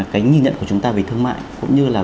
cái nhìn nhận của chúng ta về thương mại cũng như là